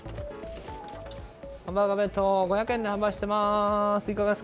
ハンバーガー弁当、５００円で販売してます。